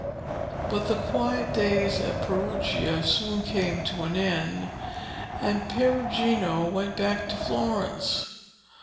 But the quiet days at Perugia soon came to an end, and Perugino went back to Florence.